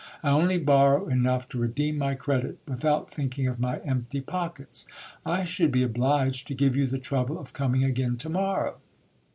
I only borrow enough to I receem my credit, without thinking of my empty pockets. I should be obliged 86 GIL BLAS. to give you the trouble of coming again to morrow.